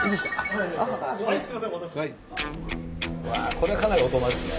これはかなり大人ですね。